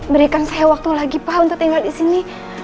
berikan saya waktu lagi pak untuk tinggal disini